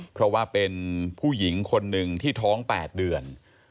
เพราะว่าเป็นผู้หญิงคนหนึ่งที่ท้อง๘เดือน